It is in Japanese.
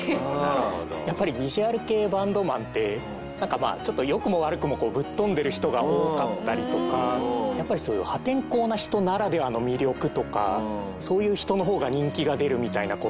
やっぱりヴィジュアル系バンドマンってなんかまあちょっと良くも悪くもぶっ飛んでる人が多かったりとかやっぱりそういう破天荒な人ならではの魅力とかそういう人の方が人気が出るみたいな事も。